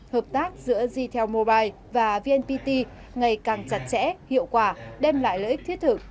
hợp tác giữa zetel mobile và vnpt ngày càng chặt chẽ hiệu quả đem lại lợi ích thiết thực